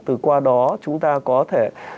từ qua đó chúng ta có thể